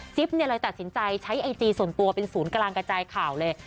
เลยตัดสินใจใช้ไอจีส่วนตัวเป็นศูนย์กลางกระจายข่าวเลย